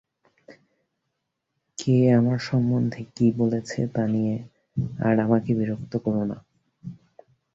কে আমার সম্বন্ধে কি বলছে, তাই নিয়ে আর আমাকে বিরক্ত করো না।